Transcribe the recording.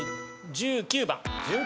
１９番。